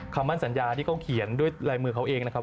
คำมั่นสัญญาที่เขาเขียนด้วยลายมือเขาเองนะครับ